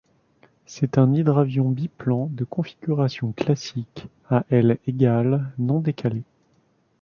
C'était un hydravion biplan de configuration classique à ailes égales non décalées.